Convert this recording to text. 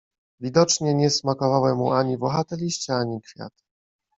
Widocznie nie smakowały mu ani włochate liście, ani kwiaty.